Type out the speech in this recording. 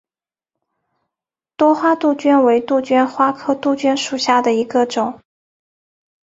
多花杜鹃为杜鹃花科杜鹃属下的一个种。